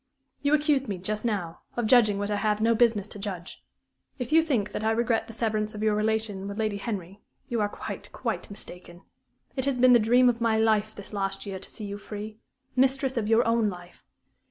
"You accused me, just now, of judging what I have no business to judge. If you think that I regret the severance of your relation with Lady Henry, you are quite, quite mistaken. It has been the dream of my life this last year to see you free mistress of your own life.